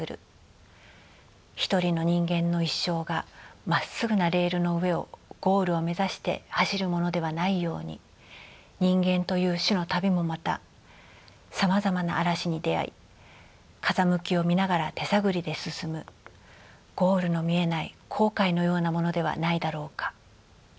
一人の人間の一生がまっすぐなレールの上をゴールを目指して走るものではないように人間という種の旅もまたさまざまな嵐に出会い風向きを見ながら手探りで進むゴールの見えない航海のようなものではないだろうか」。